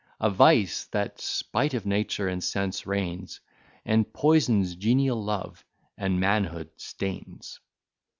A vice! That spite of nature and sense reigns, And poisons genial love, and manhood stains.